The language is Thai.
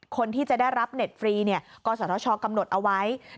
คนที่จะได้รับเน็ตฟรีกศชกำหนดเอาไว้